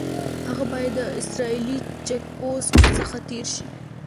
هغه باید د اسرائیلي چیک پوسټ څخه تېر شي.